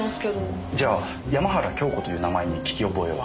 じゃあ山原京子という名前に聞き覚えは？